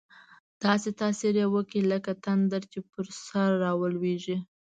داسې تاثیر یې وکړ، لکه تندر چې پر سر راولوېږي.